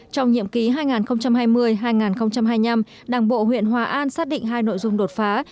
trong nhiệm ký hai nghìn hai mươi hai nghìn hai mươi năm đảng bộ huyện hòa an xác định hai nội dung đột phá